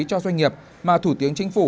cho doanh nghiệp mà thủ tướng chính phủ